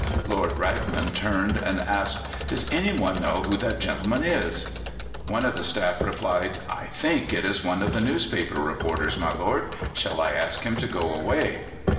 Lord Raglan turned and asked: "Does anyone know who that gentleman is?" One of the staff replied: "I think it is one of the newspaper reporters, my lord. Shall I ask him to go away?"